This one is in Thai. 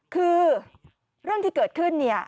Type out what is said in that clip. คือเรื่องที่เกิดขึ้น